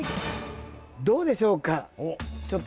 どうでしょうか。